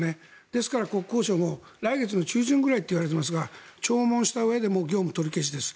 ですから国交省も来月の中旬くらいといわれていますが聴聞したうえで業務取り消しです。